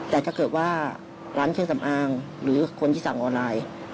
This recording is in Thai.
แต่ถ้าเกิดว่าร้านเครื่องสำอางหรือคนที่สั่งออนไลน์